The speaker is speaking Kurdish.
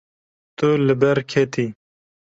Tu li ber ketî.